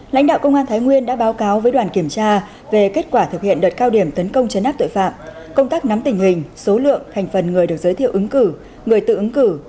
lãnh đạo công an thái nguyên đã báo cáo với đoàn kiểm tra về kết quả thực hiện đợt cao điểm tấn công chấn áp tội phạm công tác nắm tình hình số lượng thành phần người được giới thiệu ứng cử người tự ứng cử